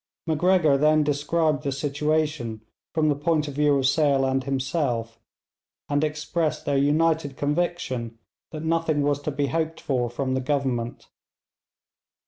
Macgregor then described the situation from the point of view of Sale and himself, and expressed their united conviction that nothing was to be hoped for from the Government.